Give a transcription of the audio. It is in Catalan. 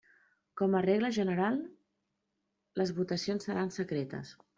Com a regla general les votacions seran secretes.